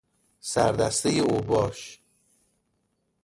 سردسته اوباش